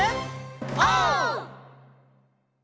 オー！